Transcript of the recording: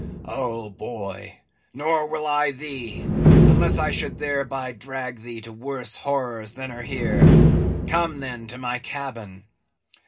"Oh, boy, nor will I thee, unless I should thereby drag thee to worse horrors than are here. Come, then, to my cabin.